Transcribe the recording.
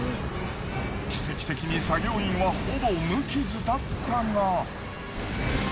奇跡的に作業員はほぼ無傷だったが。